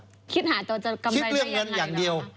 คิดหาตัวจะกำไรได้อย่างไรหรือครับคิดเรื่องเงินอย่างเดียว